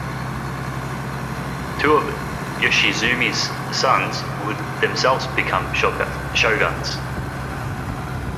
Two of Yoshizumi's sons would themselves become shoguns.